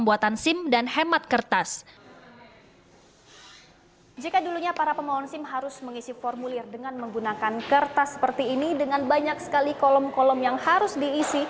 anda harus mengisi formulir dengan menggunakan kertas seperti ini dengan banyak sekali kolom kolom yang harus diisi